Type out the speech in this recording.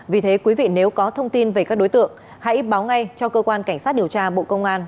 vì thế quý vị nếu có thông tin về các đối tượng hãy báo ngay cho cơ quan cảnh sát điều tra bộ công an